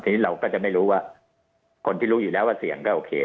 ทีนี้เราก็จะไม่รู้ว่าคนที่รู้อยู่แล้วว่าเสี่ยงก็โอเค